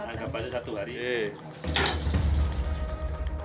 anggap saja satu hari